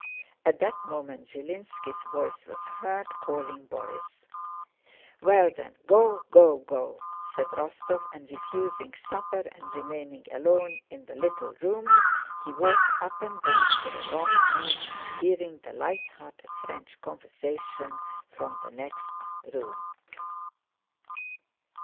At that moment Zhilínski's voice was heard calling Borís. "Well then, go, go, go..." said Rostóv, and refusing supper and remaining alone in the little room, he walked up and down for a long time, hearing the lighthearted French conversation from the next room.